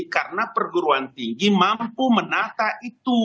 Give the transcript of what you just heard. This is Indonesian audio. karena perguruan tinggi mampu menata itu